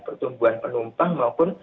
pertumbuhan penumpang maupun